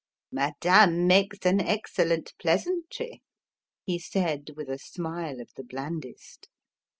"Madame makes an excellent pleasantry," he said with a smile of the blandest.